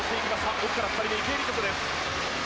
奥から２人目、池江璃花子です。